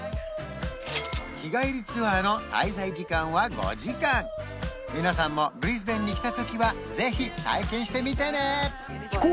日帰りツアーの滞在時間は５時間皆さんもブリスベンに来た時はぜひ体験してみてね